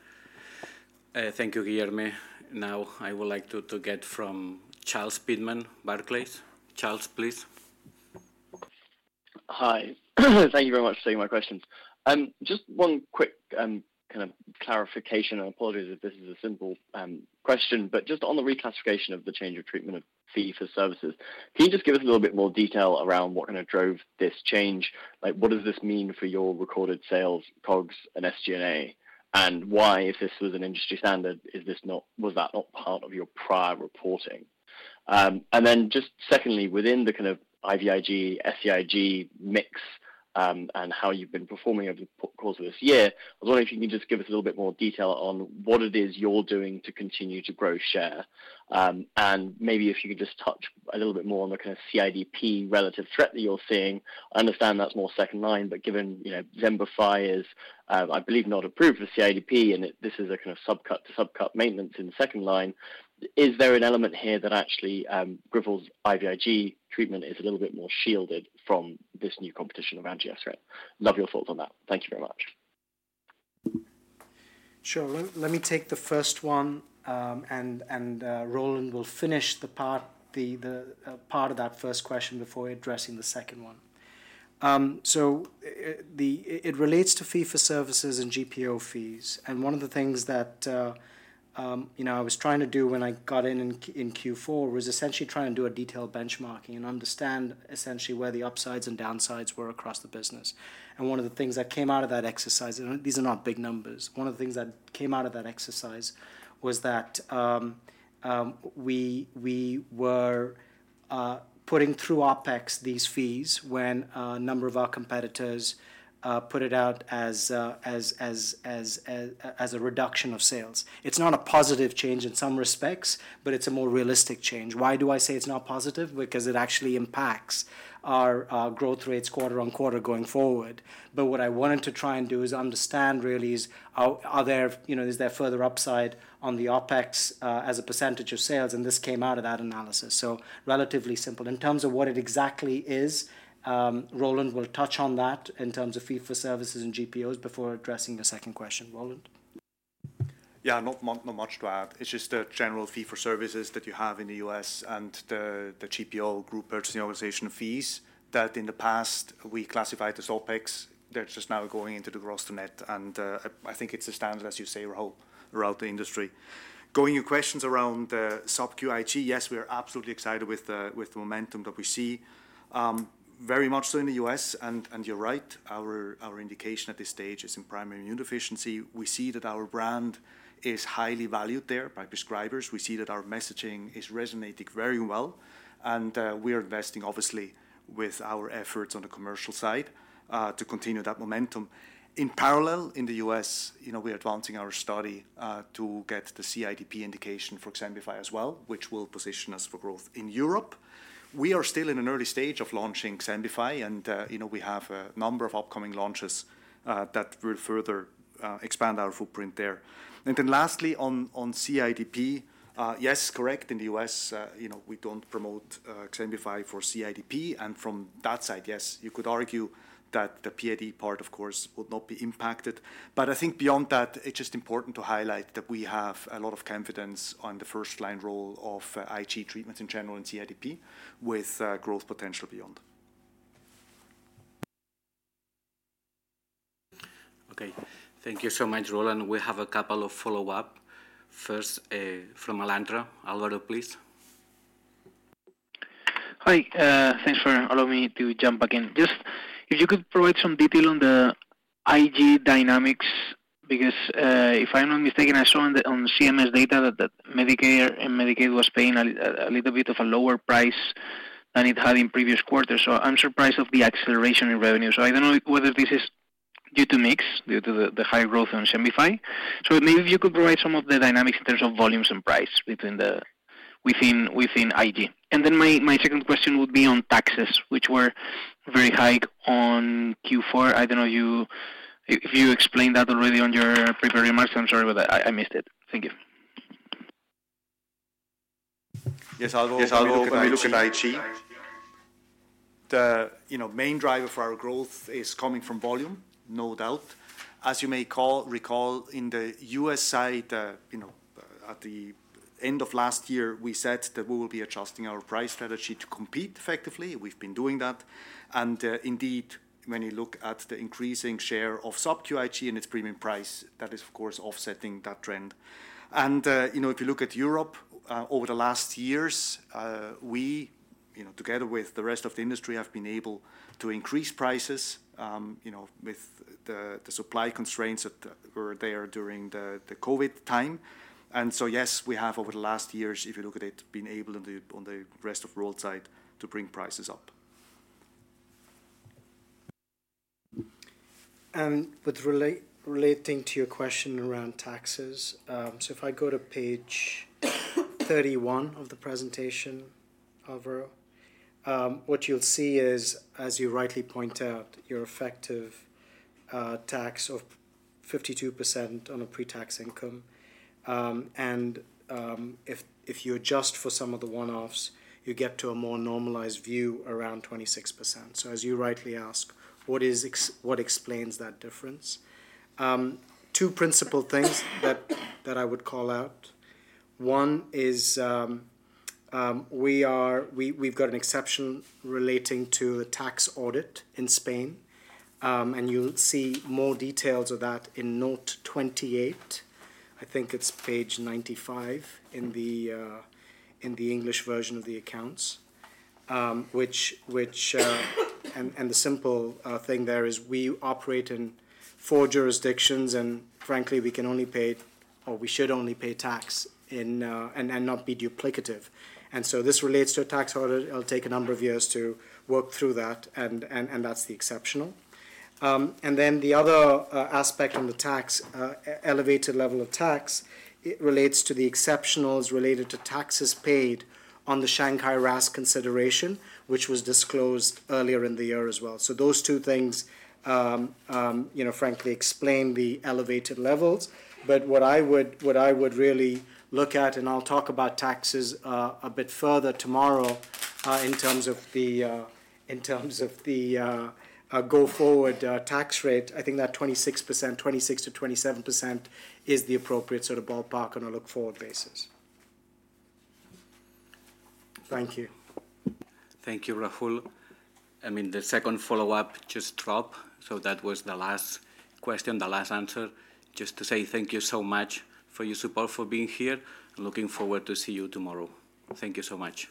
Thank you, Guilherme. Now I would like to get from Charles Pitman Barclays. Charles, please. Hi. Thank you very much for taking my questions. Just one quick kind of clarification, and apologies if this is a simple question, but just on the reclassification of the change of treatment of fee-for-service, can you just give us a little bit more detail around what kind of drove this change? What does this mean for your recorded sales, COGS, and SG&A? And why, if this was an industry standard, was that not part of your prior reporting? And then just secondly, within the kind of IVIG, SCIG mix, and how you've been performing over the course of this year, I was wondering if you can just give us a little bit more detail on what it is you're doing to continue to grow share. And maybe if you could just touch a little bit more on the kind of CIDP relative threat that you're seeing. I understand that's more second line, but given Xembify is, I believe, not approved for CIDP, and this is a kind of subcut to subcut maintenance in the second line, is there an element here that actually Grifols' IVIG treatment is a little bit more shielded from this new competition around FcRn? Love your thoughts on that. Thank you very much. Sure. Let me take the first one, and Roland will finish the part of that first question before addressing the second one. So it relates to fee for services and GPO fees. And one of the things that I was trying to do when I got in in Q4 was essentially trying to do a detailed benchmarking and understand essentially where the upsides and downsides were across the business. And one of the things that came out of that exercise, and these are not big numbers, one of the things that came out of that exercise was that we were putting through OpEx these fees when a number of our competitors put it out as a reduction of sales. It's not a positive change in some respects, but it's a more realistic change. Why do I say it's not positive? Because it actually impacts our growth rates quarter on quarter going forward. But what I wanted to try and do is understand really is there further upside on the OpEx as a percentage of sales, and this came out of that analysis. So relatively simple. In terms of what it exactly is, Roland will touch on that in terms of fee for services and GPOs before addressing the second question. Roland? Yeah, not much to add. It's just a general fee for services that you have in the U.S. and the GPO group purchasing organization fees that in the past we classified as OPEX. They're just now going into the gross net, and I think it's a standard as you say throughout the industry. Going to your questions around the SubQIg, yes, we are absolutely excited with the momentum that we see. Very much so in the U.S., and you're right, our indication at this stage is in primary immune deficiency. We see that our brand is highly valued there by prescribers. We see that our messaging is resonating very well, and we are investing obviously with our efforts on the commercial side to continue that momentum. In parallel, in the U.S., we are advancing our study to get the CIDP indication for Xembify as well, which will position us for growth in Europe. We are still in an early stage of launching Xembify, and we have a number of upcoming launches that will further expand our footprint there. And then lastly, on CIDP, yes, correct, in the U.S., we don't promote Xembify for CIDP. And from that side, yes, you could argue that the PAD part, of course, would not be impacted. But I think beyond that, it's just important to highlight that we have a lot of confidence on the first-line role of Ig treatments in general in CIDP with growth potential beyond. Okay. Thank you so much, Roland. We have a couple of follow-ups. First, from Alantra. Álvaro, please. Hi. Thanks for allowing me to jump back in. Just if you could provide some detail on the IG dynamics, because if I'm not mistaken, I saw on CMS data that Medicare and Medicaid was paying a little bit of a lower price than it had in previous quarters. So I'm surprised of the acceleration in revenue. So I don't know whether this is due to mix due to the high growth on Xembify. So maybe if you could provide some of the dynamics in terms of volumes and price within Ig. And then my second question would be on taxes, which were very high on Q4. I don't know if you explained that already on your prepared remarks. I'm sorry, but I missed it. Thank you. Yes, I'll go ahead and look at Ig. The main driver for our growth is coming from volume, no doubt. As you may recall, on the U.S. side, at the end of last year, we said that we will be adjusting our price strategy to compete effectively. We've been doing that. And indeed, when you look at the increasing share of SubQIg and its premium price, that is, of course, offsetting that trend. And if you look at Europe, over the last years, we, together with the rest of the industry, have been able to increase prices with the supply constraints that were there during the COVID time. And so yes, we have, over the last years, if you look at it, been able on the rest of the world side to bring prices up. But relating to your question around taxes, so if I go to page 31 of the presentation, Álvaro, what you'll see is, as you rightly point out, your effective tax of 52% on a pre-tax income. And if you adjust for some of the one-offs, you get to a more normalized view around 26%. So as you rightly ask, what explains that difference? Two principal things that I would call out. One is we've got an exception relating to the tax audit in Spain. And you'll see more details of that in note 28. I think it's page 95 in the English version of the accounts. And the simple thing there is we operate in four jurisdictions, and frankly, we can only pay, or we should only pay tax and not be duplicative. And so this relates to a tax audit. It'll take a number of years to work through that, and that's the exceptional. And then the other aspect on the tax, elevated level of tax, it relates to the exceptionals related to taxes paid on the Shanghai RAAS consideration, which was disclosed earlier in the year as well. So those two things, frankly, explain the elevated levels. But what I would really look at, and I'll talk about taxes a bit further tomorrow in terms of the go forward tax rate, I think that 26%, 26%-27% is the appropriate sort of ballpark on a look-forward basis. Thank you. Thank you, Rahul. I mean, the second follow-up just dropped. So that was the last question, the last answer. Just to say thank you so much for your support, for being here. Looking forward to see you tomorrow. Thank you so much.